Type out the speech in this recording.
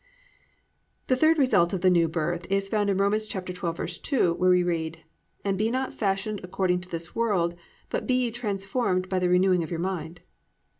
3. The third result of the New Birth is found in Rom. 12:2, where we read, +"And be not fashioned according to this world: but be ye transformed by the renewing of your mind."